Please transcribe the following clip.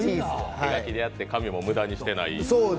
手書きでやって紙も無駄にしてない。